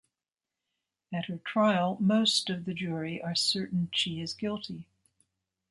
At her trial most of the jury are certain she is guilty.